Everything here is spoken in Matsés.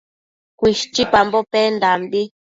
Cuishchipambo pendambi